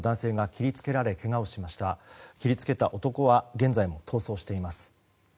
切り付けた男は現在も逃走しています。